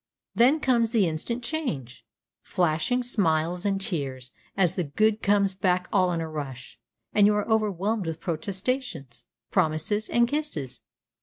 Then comes the instant change; flashing smiles and tears, as the good comes back all in a rush, and you are overwhelmed with protestations, promises, and kisses!